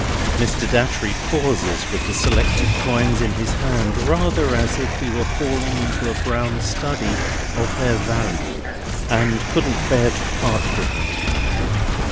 Mr. Datchery pauses with the selected coins in his hand, rather as if he were falling into a brown study of their value, and couldn't bear to part with them.